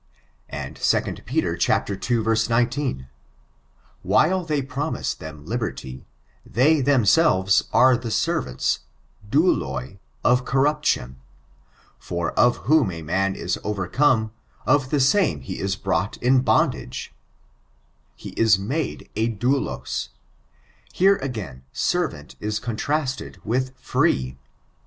And, 2 Pet ii. 19, ''While they promise them liberty, they, themselves, are the servants, doulai, of corruption: for of whom a man is overcome, of the same is he brought in bondage;" — ^he is made a daulos. Here, again, servant is contrasted with free.